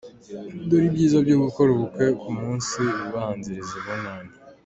Dore ibyiza byo gukora ubukwe ku munsi ubanziriza ubunani:.